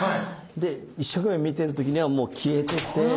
で一生懸命見てる時にはもう消えてて。